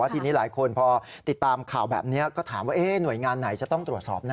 ทีนี้หลายคนพอติดตามข่าวแบบนี้ก็ถามว่าหน่วยงานไหนจะต้องตรวจสอบนะ